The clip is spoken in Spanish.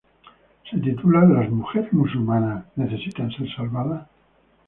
Se titula "¿Las mujeres musulmanas necesitan ser salvadas?".